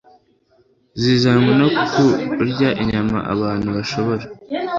zizanwa no kurya inyama Abantu bashobora